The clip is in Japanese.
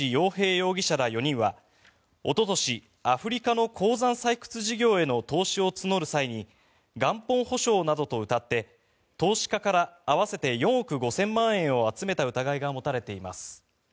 容疑者ら４人はおととしアフリカの鉱山採掘事業への投資を募る際に元本保証などとうたって投資家から合わせて４億５０００万円を集めた疑いが持たれています。